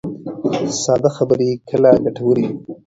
ساده خبرې کله ګټورې وي.